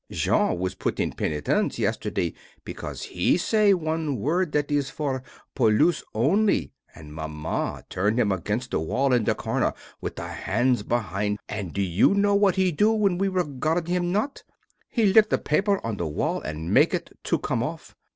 Jean was put in penitence yesterday because he say one word that is for Poilus only, and Maman turn him against the wall in the corner with the hands behind; and do you know what he do when we regard him not? He lick the paper on the wall and make it to come off.